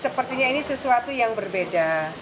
sepertinya ini sesuatu yang berbeda